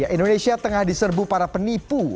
indonesia tengah diserbu para penipu